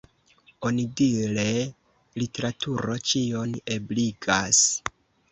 Onidire, literaturo ĉion ebligas.